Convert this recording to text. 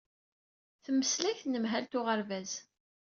Temmeslay d tnemhalt uɣerbaz.